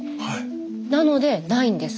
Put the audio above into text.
なのでないんです